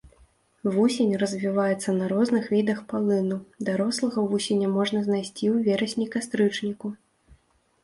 Вусень развіваецца на розных відах палыну, дарослага вусеня можна знайсці ў верасні-кастрычніку.